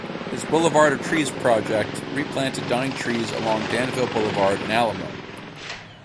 His Boulevard of Trees project replanted dying trees along Danville Boulevard in Alamo.